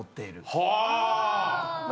はあ。